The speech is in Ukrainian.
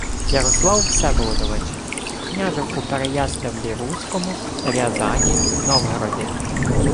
«Ярослав Всеволодович… княжив у Переяславлі-Руському, Рязані, Новгороді